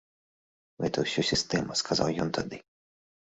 Гэта ўсё сістэма, сказаў ён тады.